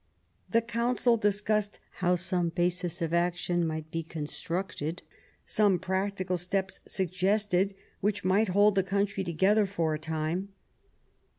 The Council dis cussed how some basis of action might be constructed, some practical steps suggested, which might hold the country together for a time.